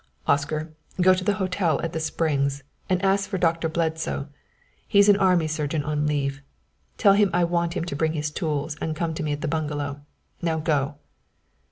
"Oscar, go to the hotel at the Springs and ask for Doctor Bledsoe. He's an army surgeon on leave. Tell him I want him to bring his tools and come to me at the bungalow. Now go!"